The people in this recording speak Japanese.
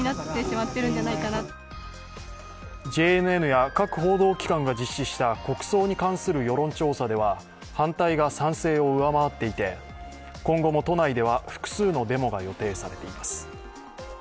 ＪＮＮや各報道機関が実施した国葬の関する世論調査では反対が賛成を上回っていて今後も都内では複数のデモが予定されています。